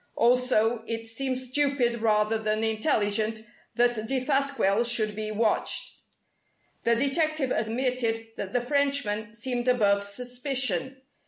Also, it seemed stupid rather than intelligent that Defasquelle should be watched. The detective admitted that the Frenchman seemed above suspicion.